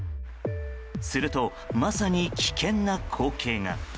すると、まさに危険な光景が。